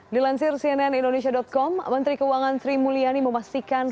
dilansir cnn indonesia com menteri keuangan sri mulyani memastikan